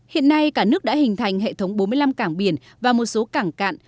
hiện nay cả nước đã hình thành hệ thống bốn mươi năm cảng biển và một số cảng cạn